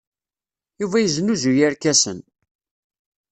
Yuba yesnuzuy irkasen.